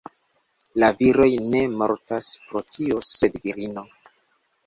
La viroj ne mortas pro tio, sed virino!